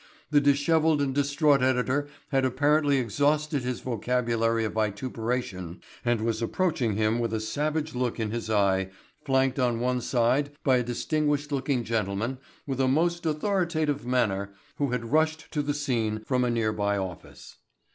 The dishevelled and distraught editor had apparently exhausted his vocabulary of vituperation and was approaching him with a savage look in his eye flanked on one side by a distinguished looking gentleman with a most authoritative manner who had rushed to the scene from a nearby office.